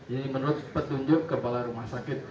ini menurut petunjuk kepala rumah sakit